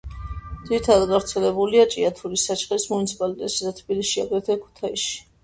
ძირითადად გავრცელებულია ჭიათურის, საჩხერის მუნიციპალიტეტებში და თბილისში, აგრეთვე ქუთაისში.